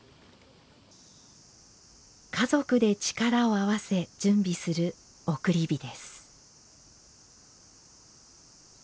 家族で力を合わせ準備する送り火です。